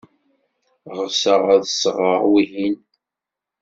Ɣseɣ ad d-sɣeɣ wihin.